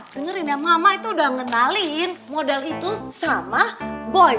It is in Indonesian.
dengar ini mama itu udah ngenalin model itu sama boy